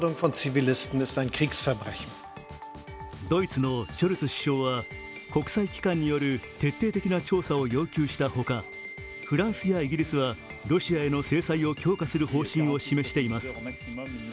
ドイツのショルツ首相は国際機関による徹底的な調査を要求したほかフランスやイギリスはロシアへの制裁を強化する方針を示しています。